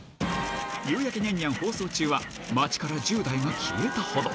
夕やけニャンニャン放送中は街から１０代が消えたほど。